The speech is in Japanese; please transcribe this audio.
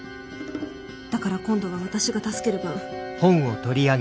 だから今度は私が助ける番。